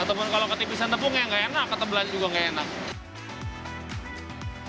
ataupun kalau ketipisan tepungnya gak enak ketebalan juga gak enak